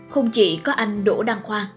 không chỉ có anh đỗ đăng khoa